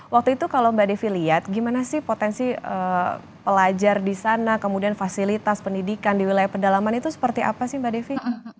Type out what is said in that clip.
waktu itu kalau mbak devi lihat gimana sih potensi pelajar di sana kemudian fasilitas pendidikan di wilayah pedalaman itu seperti apa sih mbak devi